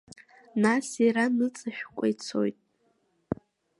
Нас иара ныҵашәкәа ицоит.